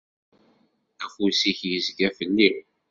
Afus-ik izga fell-i.